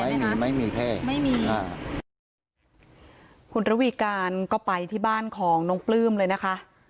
ไม่มีไม่มีแค่ไม่มีค่ะคุณระวีการก็ไปที่บ้านของน้องปลื้มเลยนะคะ